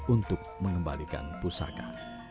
untuk mengembalikan pusaka